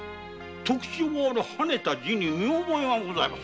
特徴ある跳ねた字に見覚えがございます。